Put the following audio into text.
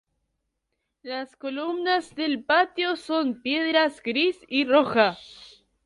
Las columnas del patio son de piedra gris y roja.